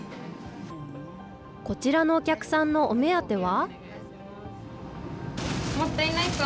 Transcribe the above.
こちらのお客さんのお目当ては？